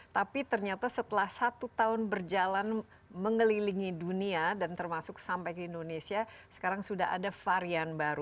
tapi ternyata setelah satu tahun berjalan mengelilingi dunia dan termasuk sampai ke indonesia sekarang sudah ada varian baru